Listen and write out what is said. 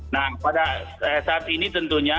nah pada saat ini tentunya